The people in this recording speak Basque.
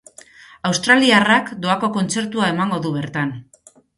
Australiarrak doako kontzertua emango du bertan.